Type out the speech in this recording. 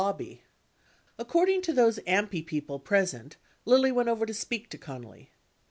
lobby. According to those AMPI people present, Lilly went over to speak to Connally.